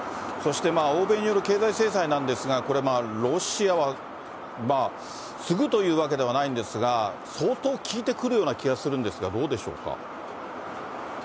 そして欧米による経済制裁なんですが、これ、ロシアは、すぐというわけではないんですが、相当効いてくるような気がするんですが、どうでしょうか。